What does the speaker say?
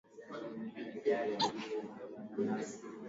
Kiongozi huyo hakuishia kutoa katika mchango katika medani ya mchezo tu